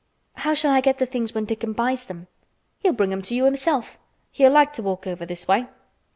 "How shall I get the things when Dickon buys them?" "He'll bring 'em to you himself. He'll like to walk over this way."